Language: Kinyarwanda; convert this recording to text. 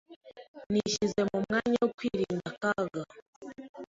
Nishyize mu mwanya wo kwirinda akaga.